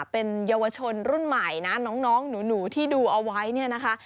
เป็นเยาวชนรุ่นใหม่นะน้องหนูที่ดูเอาไว้เนี่ยนะคะ